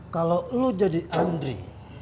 kalau lu jadi andre